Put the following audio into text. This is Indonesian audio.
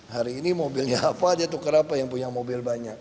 hari ini mobilnya apa dia tukar apa yang punya mobil banyak